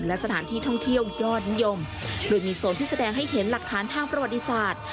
และสถานที่ท่องเที่ยวยอดนิยมโดยมีโซนที่แสดงให้เห็นหลักฐานทางประวัติศาสตร์